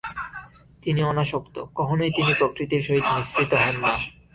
তিনি অনাসক্ত, কখনই তিনি প্রকৃতির সহিত মিশ্রিত হন না।